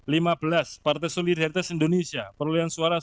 lima belas partai solidaritas indonesia perolehan suara sembilan belas